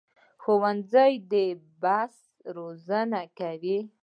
ښوونځی د بحث روزنه کوي